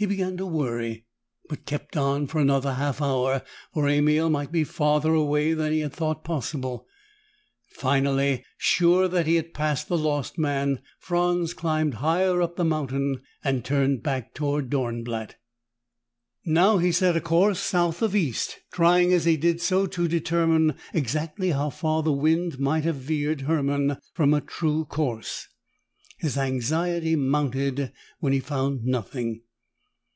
He began to worry, but kept on for another half hour, for Emil might be farther away than he had thought possible. Finally, sure that he had passed the lost man, Franz climbed higher up the mountain and turned back toward Dornblatt. Now he set a course south of east, trying as he did so to determine exactly how far the wind might have veered Hermann from a true course. His anxiety mounted when he found nothing.